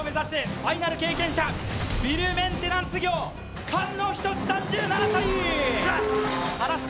ファイナル経験者、ルメンテナンス業菅野仁志３７歳。